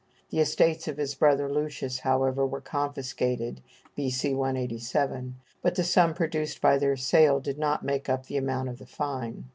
The estates of his brother Lucius, however, were confiscated (B.C. 187), but the sum produced by their sale did not make up the amount of the fine.